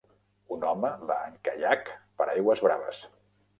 Un home va en caiac per aigües braves.